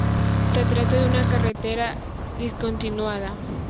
Se trata de una carretera discontinuada.